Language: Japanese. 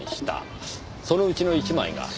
そのうちの１枚が。